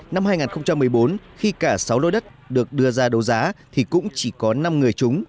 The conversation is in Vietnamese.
năm hai nghìn một mươi bốn khi cả sáu lô đất được đưa ra đấu giá thì cũng chỉ có năm người chúng